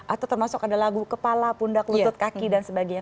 atau termasuk ada lagu kepala pundak lutut kaki dan sebagainya